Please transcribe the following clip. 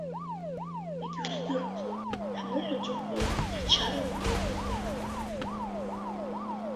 Егьуздырӡом ҳныҳәаҿақәеи ҳчарақәеи ртәы.